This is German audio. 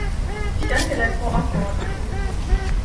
Ich danke der Frau Abgeordneten.